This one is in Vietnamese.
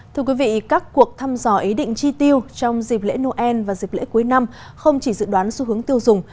thưa quý vị các cuộc thăm dò ý định chi tiêu trong dịp lễ noel và dịp lễ cuối năm không chỉ dự đoán xu hướng tiêu dùng